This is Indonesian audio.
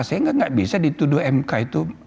saya gak bisa dituduh mk itu